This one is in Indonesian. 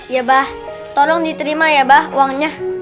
ya ba tolong diterima ya ba uangnya